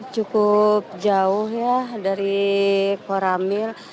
cukup jauh ya dari koramil